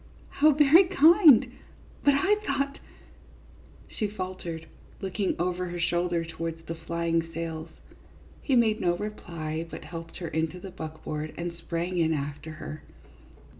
How very kind ! But I thought " She faltered, looking over her shoulder towards the flying sails. He made no reply, but helped her into the buckboard and sprang in after her.